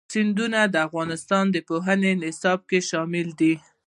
سیندونه د افغانستان د پوهنې نصاب کې شامل دي.